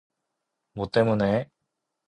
뭐 때문에?